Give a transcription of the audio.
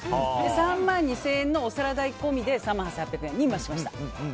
３万２０００円のお皿代込みで３万８８００円にしました。